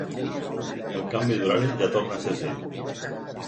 El canvi d’horari ja torna a ser ací.